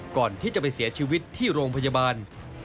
ก่อนที่จะไปเสียชีวิตที่โรงพยาบาล